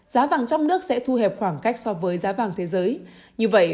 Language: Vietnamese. giá vàng trong nước sẽ thu hẹp khoảng cách so với giá vàng thế giới như vậy